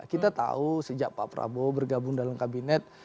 kita tahu sejak pak prabowo bergabung dalam kabinet